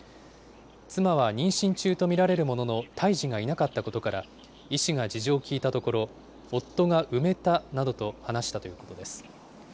妻は妊娠中と見られるものの、胎児がいなかったことから、医師が事情を聞いたところ、夫が埋めたなどと話したということです。